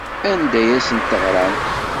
Anda ay asent-teɣramt?